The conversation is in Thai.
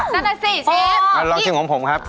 นั่นแหละสิเชฟอ๋ออีกลองชิมของผมครับ